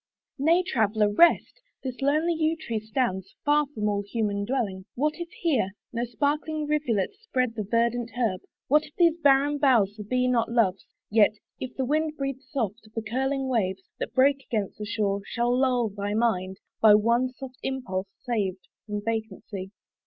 Nay, Traveller! rest. This lonely yew tree stands Far from all human dwelling: what if here No sparkling rivulet spread the verdant herb; What if these barren boughs the bee not loves; Yet, if the wind breathe soft, the curling waves, That break against the shore, shall lull thy mind By one soft impulse saved from vacancy.